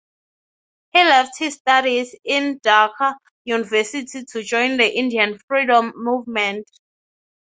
He left his studies in Dhaka University to join the Indian freedom movement.